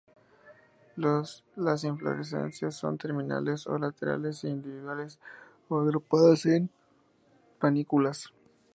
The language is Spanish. Las inflorescencias son terminales o laterales, individuales o agrupadas en panículas.